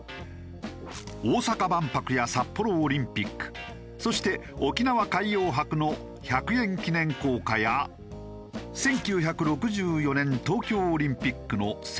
大阪万博や札幌オリンピックそして沖縄海洋博の１００円記念硬貨や１９６４年東京オリンピックの１０００円記念銀貨。